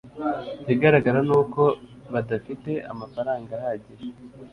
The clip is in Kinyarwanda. Ikigaragara ni uko badafite amafaranga ahagije